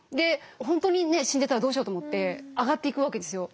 本当に死んでたらどうしようと思って上がっていくわけですよ。